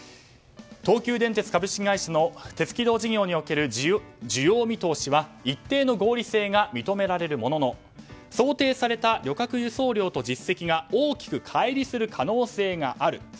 東急電鉄株式会社の鉄軌道事業における需要見通しは一定の合理性が認められるものの想定された旅客輸送量と実績が大きく乖離する可能性がある。